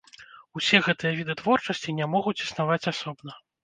Усе гэтыя віды творчасці не могуць існаваць асобна.